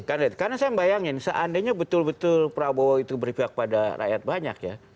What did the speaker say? karena saya bayangin seandainya betul betul prabowo itu berpihak pada rakyat banyak ya